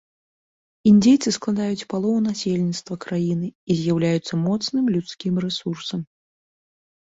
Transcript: Індзейцы складаюць палову насельніцтва краіны і з'яўляюцца моцным людскім рэсурсам.